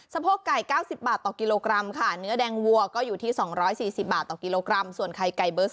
สะโพกไก่เก้าสิบบาทต่อกิโลกรัมค่ะ